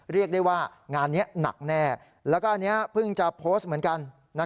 เรียกได้ว่างานนี้หนักแน่แล้วก็อันนี้เพิ่งจะโพสต์เหมือนกัน